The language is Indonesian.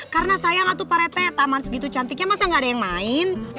karena sayang atuh pak rete taman segitu cantiknya masa gak ada yang main